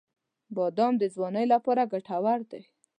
• بادام د ځوانۍ لپاره ګټور دی.